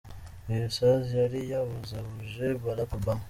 Iyi sazi yari yabuzabuje Barack Obama.